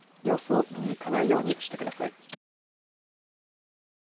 様子を見に行かないようにしてください。